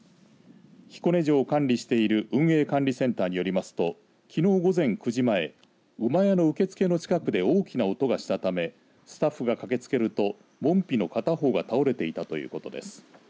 彦根城を管理している運営管理センターによりますときのう午前９時前馬屋の受付の近くで大きな音がしたためスタッフが駆けつけると門扉の片方が倒れていたということです。